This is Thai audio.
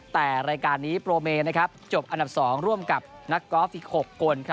แต่รายการนี้โปรเมจบอันดับ๒ร่วมกับนักกอล์ฟอีก๖คน